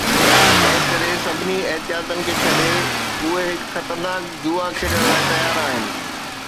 تنهن ڪري، سڀني احتياطن کي ڇڏي، اهي هڪ خطرناڪ جوا کيڏڻ لاء تيار آهن.